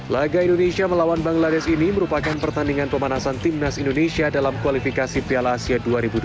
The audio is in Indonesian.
laga indonesia melawan bangladesh ini merupakan pertandingan pemanasan timnas indonesia dalam kualifikasi piala asia dua ribu dua puluh